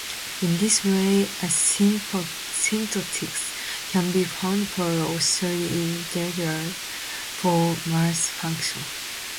In this way asymptotics can be found for oscillatory integrals for Morse functions.